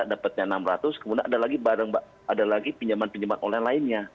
rata rata ada lagi pinjaman pinjaman orang lainnya